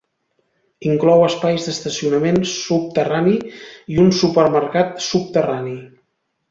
Inclou espais d'estacionament subterrani i un supermercat subterrani.